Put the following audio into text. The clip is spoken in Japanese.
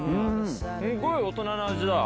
すごい大人の味だ。